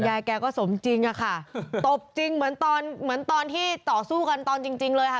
ยายแกก็สมจริงอะค่ะตบจริงเหมือนตอนเหมือนตอนที่ต่อสู้กันตอนจริงจริงเลยค่ะ